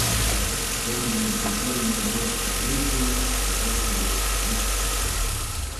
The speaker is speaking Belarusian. Стомленыя двухдзённаю жорсткай бойкаю за гэтую вёску, яны спяць.